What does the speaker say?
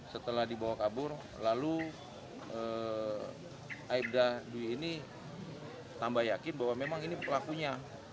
setelah dibawa kabur lalu aibda dwi ini tambah yakin bahwa memang ini pelakunya